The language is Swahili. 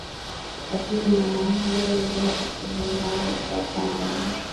lakini maana hiyo ndiyo raslimali ya kuacha ndio wi